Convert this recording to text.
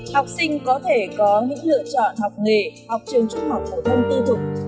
học sinh có thể có những lựa chọn học nghề học trường trung học phổ thông tư thục